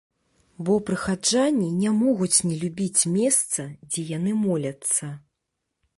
Бо прыхаджане не могуць не любіць месца, дзе яны моляцца.